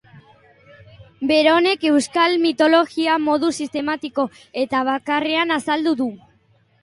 Beronek euskal mitologia modu sistematiko eta bakarrean azaldu du.